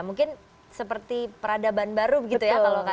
mungkin seperti peradaban baru gitu ya kalau kata pak jokowi